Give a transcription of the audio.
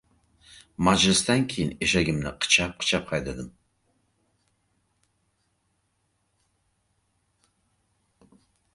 Majlisdan keyin eshagimni qichab-qichab haydadim.